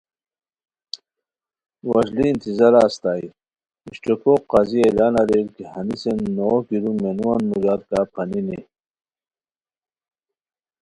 وشلی انتظارہ استائے اشٹوکو قاضی اعلان اریر کی ہنیسین نوغ گیرو مینووان موژار کا پھانینی